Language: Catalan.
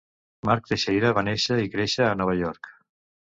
Mark Texeira va néixer i créixer a Nova York.